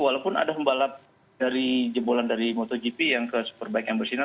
walaupun ada pembalap dari jempolan dari motogp yang ke superbike yang bersinar